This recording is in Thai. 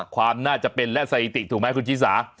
ความน่าจะเป็นและสถิติถูกไหมคุณชิสา